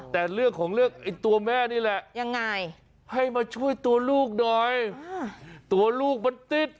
แต่เรื่องของเรื่องไอ้ตัวแม่นี่แหละยังไงให้มาช่วยตัวลูกหน่อยตัวลูกมันติด